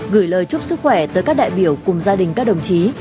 gửi lời chúc sức khỏe tới các đại biểu cùng gia đình các đồng chí